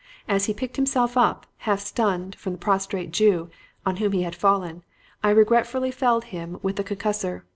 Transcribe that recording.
As he picked himself up, half stunned, from the prostrate Jew, on whom he had fallen, I regretfully felled him with the concussor.